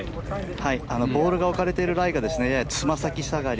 ボールが置かれているライがつま先下がり